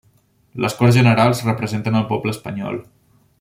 Les Corts Generals representen el poble espanyol.